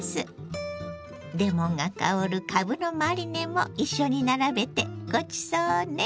レモンが香るかぶのマリネも一緒に並べてごちそうね。